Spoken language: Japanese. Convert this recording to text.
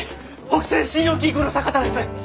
北西信用金庫の坂田です。